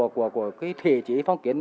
của cái thể chế phong kiến